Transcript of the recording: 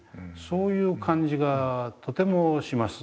そういう感じがとてもします。